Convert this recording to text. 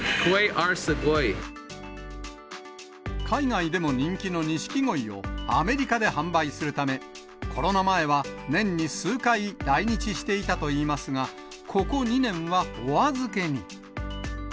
海外でも人気のニシキゴイをアメリカで販売するため、コロナ前は年に数回、来日していたといいますが、ここ２年はおあずけに。